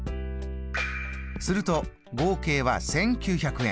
すると合計は１９００円。